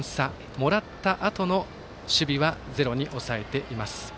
もらったあとの守備はゼロに抑えています。